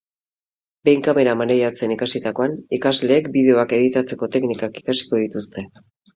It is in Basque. Behin kamera maneiatzen ikasitakoan ikasleek bideoak editatzeko teknikak ikasiko dituzte.